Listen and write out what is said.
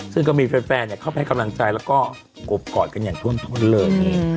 ซึ่งก็มีแฟนเข้าไปให้กำลังใจแล้วก็กบกอดกันอย่างท่วมท้นเลย